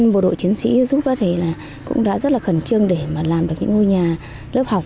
bộ đội chiến sĩ giúp đó thì cũng đã rất là khẩn trương để mà làm được những ngôi nhà lớp học